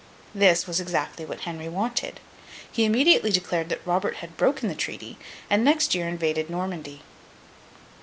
This was exactly what Henry wanted. He immediately declared that Robert had broken the treaty, and next year invaded Normandy.